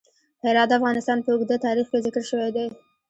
هرات د افغانستان په اوږده تاریخ کې ذکر شوی دی.